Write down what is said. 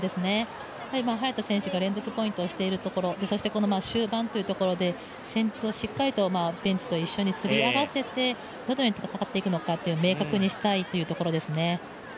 早田選手が連続ポイントをしているところ、そして終盤ということで戦術をしっかりベンチと一緒にすり合わせて、どのように戦っていくのか明確にしたいというところですね。